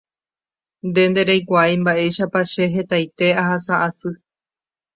Nde ndereikuaái mba'éichapa che hetaite ahasa'asy